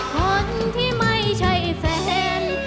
คนที่ไม่ใช่แฟน